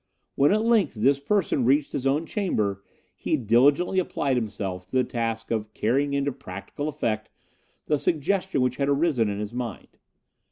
When at length this person reached his own chamber, he diligently applied himself to the task of carrying into practical effect the suggestion which had arisen in his mind.